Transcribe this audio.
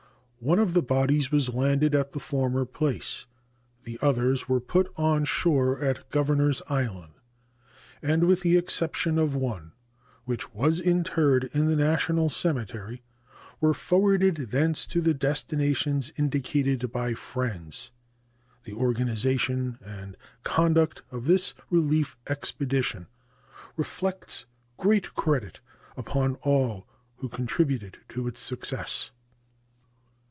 One of the bodies was landed at the former place. The others were put on shore at Governors Island, and, with the exception of one, which was interred in the national cemetery, were forwarded thence to the destinations indicated by friends. The organization and conduct of this relief expedition reflects great credit upon all who contributed to its success.